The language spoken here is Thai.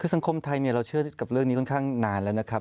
คือสังคมไทยเราเชื่อกับเรื่องนี้ค่อนข้างนานแล้วนะครับ